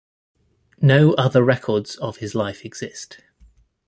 No other records of his life exist.